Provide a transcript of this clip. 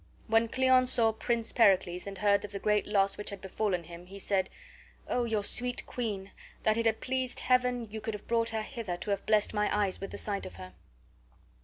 When Cleon saw Prince Pericles and heard of the great loss which had befallen him he said, "Oh, your sweet queen, that it had pleased Heaven you could have brought her hither to have blessed my eyes with the sight of her!"